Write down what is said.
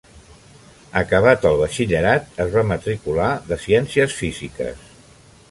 Acabat el batxillerat, es va matricular de Ciències Físiques.